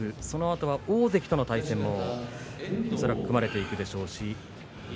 そのあと大関との対戦も恐らく組まれていくでしょうし